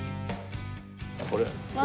これ？